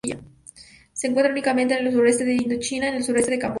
Se encuentra únicamente en el suroeste de Indochina, en el suroeste de Camboya.